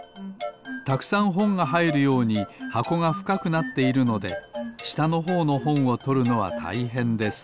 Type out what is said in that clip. たくさんほんがはいるようにはこがふかくなっているのでしたのほうのほんをとるのはたいへんです。